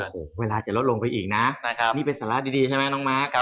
โอ้โหเวลาจะลดลงไปอีกนะนี่เป็นสาระดีใช่ไหมน้องมาร์ค